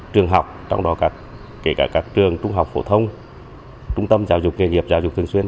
trường học trong đó kể cả các trường trung học phổ thông trung tâm giáo dục nghề nghiệp giáo dục thường xuyên